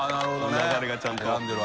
流れがちゃんと。